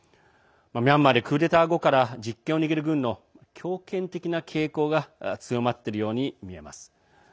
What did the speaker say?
ミャンマーでクーデター後から実権を握る軍の強権的な傾向が強まっているようにみえます。